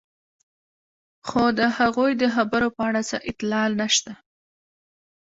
خو د هغوی د خبرو په اړه څه اطلاع نشته.